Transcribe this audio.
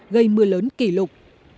gây mưa lớn kỷ lục